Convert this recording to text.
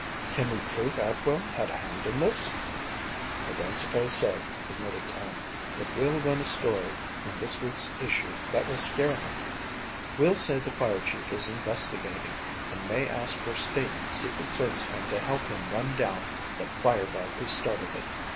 "Can we prove Atwell had a hand in this?" "I don't suppose so," admitted Tom, "but we'll run a story in this week's issue that will scare him. We'll say the fire chief is investigating and may ask for state secret service men to help him run down the fire bug who started it.